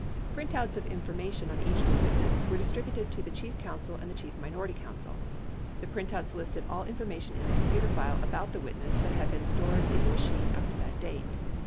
1002 Printouts of information on each new witness were distributed to the Chief Counsel and Chief Minority Counsel. The printouts listed all information in the computer file about the witness that had been stored in the machine up to that date.